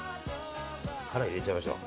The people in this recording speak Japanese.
殻入れちゃいましょう。